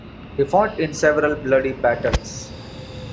He fought in several bloody battles.